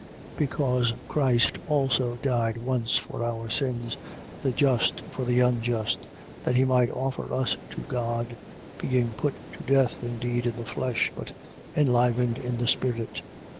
3:18. Because Christ also died once for our sins, the just for the unjust: that he might offer us to God, being put to death indeed in the flesh, but enlivened in the spirit, 3:19.